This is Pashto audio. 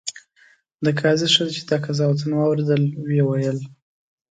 د قاضي ښځې چې دا قضاوتونه واورېدل ویې ویل.